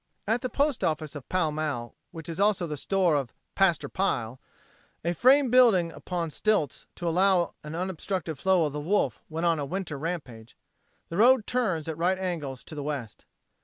At the post office of Pall Mall, which is also the store of "Paster" Pile a frame building upon stilts to allow an unobstructed flow of the Wolf when on a winter rampage the road turns at right angles to the west.